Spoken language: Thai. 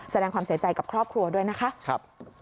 แสดงความเสียใจกับครอบครัวด้วยนะคะ